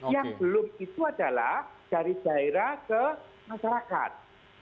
yang belum itu adalah dari daerah ke masyarakat